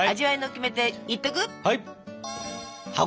はい！